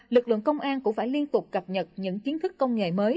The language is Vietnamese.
lực lượng công an cũng phải liên tục cập nhật những kiến thức công nghệ mới